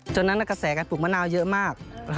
นั้นกระแสการปลูกมะนาวเยอะมาก